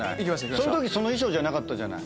その時その衣装じゃなかったじゃない。